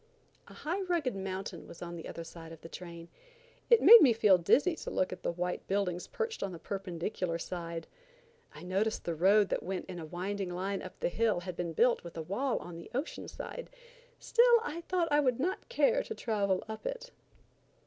A high rugged mountain was on the other side of the train. It made me feel dizzy to look at the white buildings perched on the perpendicular side. I noticed the road that went in a winding line up the hill had been built with a wall on the ocean side; still I thought I would not care to travel up it.